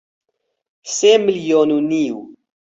سێ ملیۆن و نیو